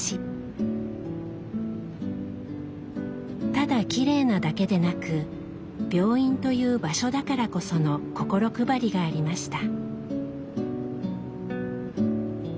ただきれいなだけでなく病院という場所だからこその心配りがありました。